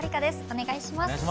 お願いします。